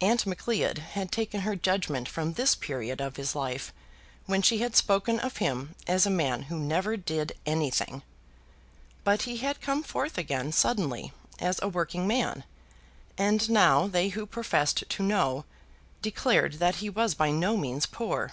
Aunt Macleod had taken her judgement from this period of his life when she had spoken of him as a man who never did anything. But he had come forth again suddenly as a working man; and now they who professed to know, declared that he was by no means poor.